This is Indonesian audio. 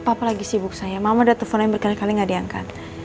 papa lagi sibuk saya mama udah teleponin berkali kali gak diangkat